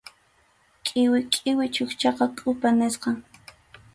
Qʼiwi qʼiwi chukchaqa kʼupa nisqam.